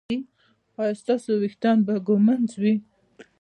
ایا ستاسو ویښتان به ږمنځ وي؟